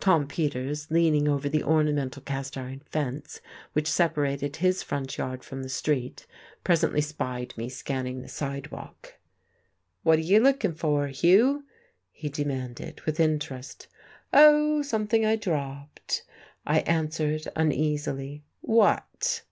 Tom Peters, leaning over the ornamental cast iron fence which separated his front yard from the street, presently spied me scanning the sidewalk. "What are you looking for, Hugh?" he demanded with interest. "Oh, something I dropped," I answered uneasily. "What?"